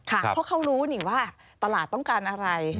เพราะเขารู้นี่ว่าตลาดต้องการอะไร